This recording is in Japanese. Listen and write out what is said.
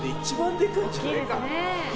でかい！